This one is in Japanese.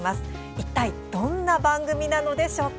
いったいどんな番組なのでしょうか。